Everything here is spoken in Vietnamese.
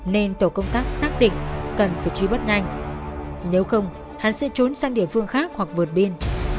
nên tổ công tác xác định cần phải truy bắt nhanh nếu không hán sẽ trốn sang địa phương khác hoặc vượt biên